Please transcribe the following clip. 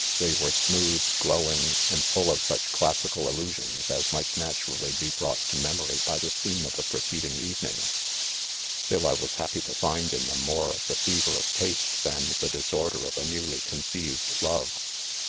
They were smooth, glowing, and' full' of such classical allusions, as might naturally he brought to memory by the scene of the preceding evening j still I was happir to find in them more of the fervor of taste than the disorder of a newly conceived love.